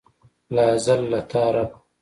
له ازله له تا ربه.